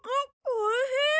おいしい！